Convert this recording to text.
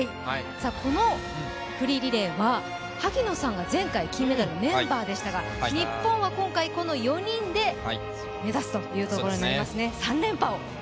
このフリーリレーは萩野さんが前回金メダルのメンバーでしたが日本は今回、この４人で目指すというところになりますね、３連覇を。